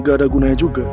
gak ada gunanya juga